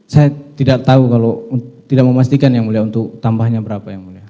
saya tidak tahu kalau tidak memastikan yang mulia untuk tambahnya berapa yang mulia